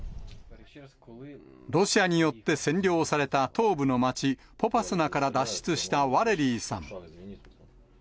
ロシアによって占領された東部の町、ポパスナから脱出したワレリーさん。